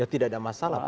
tidak ada masalah